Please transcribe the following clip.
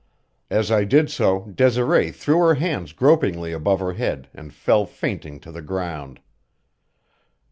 As I did so Desiree threw her hands gropingly above her head and fell fainting to the ground.